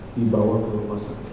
di bawah burung masak